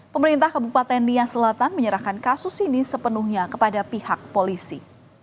pemerintah kabupaten nia selatan menyerahkan kasus ini sepenuhnya kepada pihak polisi